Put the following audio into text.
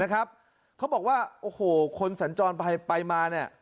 เขาบอกว่าโอ้โหคนสัญจรไปมาเนี่ย